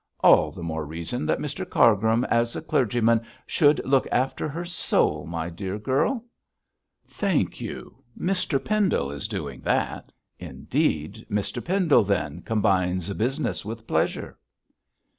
'All the more reason that Mr Cargrim, as a clergyman, should look after her soul, my good girl.' 'Thank you, Mr Pendle is doing that.' 'Indeed! Mr Pendle, then, combines business with pleasure.'